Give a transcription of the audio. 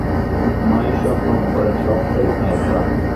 মা-ই সব কর্ম করেন, সবই মায়ের খেলা।